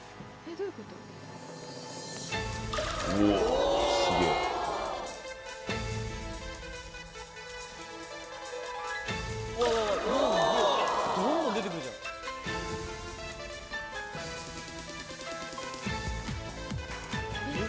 どんどん出てくるじゃん。えっ？